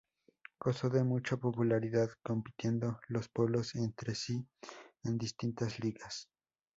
Gozó de mucha popularidad compitiendo los pueblos entre sí en distintas ligas.